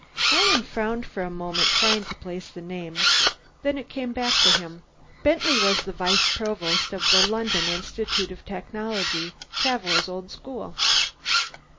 Alan frowned for a moment, trying to place the name. Then it came back to him Bentley was the vice provost of the London Institute of Technology, Cavour's old school.